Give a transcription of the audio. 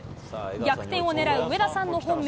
逆転を狙う上田さんの本命